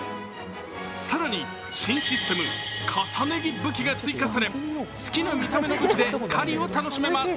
更に新システム重ね着武器が追加され好きな見た目の武器で狩りを楽しめます。